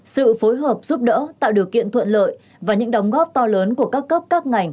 sự phối hợp giúp đỡ tạo điều kiện thuận lợi và những đóng góp to lớn của các cấp các ngành